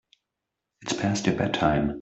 It's past your bedtime.